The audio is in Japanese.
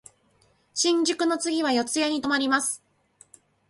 新宿の次は四谷に止まります。